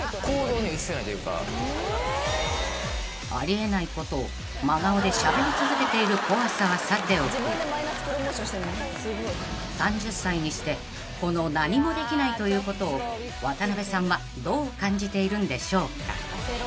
［あり得ないことを真顔でしゃべり続けている怖さはさておき３０歳にしてこの何もできないということを渡辺さんはどう感じているんでしょうか］